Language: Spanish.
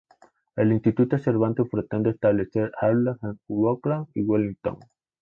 El Instituto Cervantes pretende establecer aulas en Auckland y Wellington.